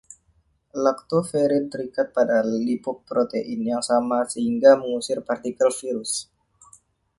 Laktoferin terikat pada lipoprotein yang sama sehingga mengusir partikel virus.